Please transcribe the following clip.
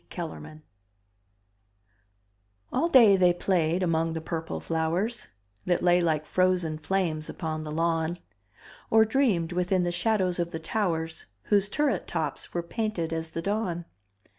Kellerman All day they played among the purple flowers That lay like frozen flames upon the lawn; Or dreamed within the shadows of the towers Whose turret tops were painted as the dawn.